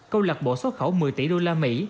câu lạc bộ xuất khẩu một mươi tỷ usd